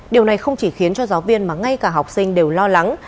điều này không chỉ khiến cho giáo viên mà ngay cả học sinh đều lo lắng